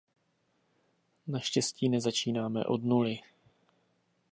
Naštěstí nezačínáme od nuly.